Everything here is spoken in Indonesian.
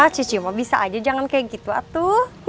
cici mah bisa aja jangan kayak gitu atu